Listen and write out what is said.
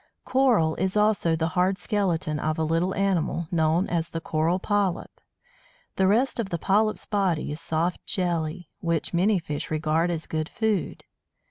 Coral is also the hard skeleton of a little animal, known as the Coral Polyp. The rest of the polyp's body is soft jelly, which many fish regard as good food.